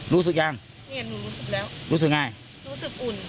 รู้สึกยังเนี่ยหนูรู้สึกแล้วรู้สึกไงรู้สึกอุ่น